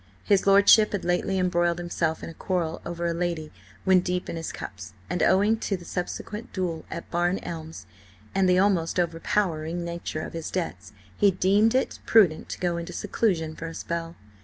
His lordship had lately embroiled himself in a quarrel over a lady when deep in his cups, and owing to the subsequent duel at Barn Elms and the almost overpowering nature of his debts, he deemed it prudent to go into seclusion for a spell.